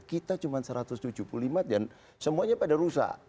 kita cuma satu ratus tujuh puluh lima dan semuanya pada rusak